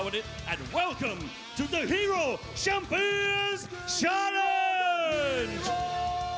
สวัสดีครับเข้าสู่การรักษาสดีครับเข้าสู่การรักษาสดีครับ